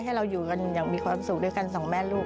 ให้เราอยู่กันอย่างมีความสุขด้วยกันสองแม่ลูก